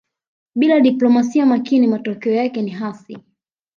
Bila diplomasia makini matokeo yake ni hasi